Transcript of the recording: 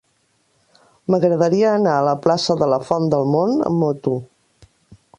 M'agradaria anar a la plaça de la Font del Mont amb moto.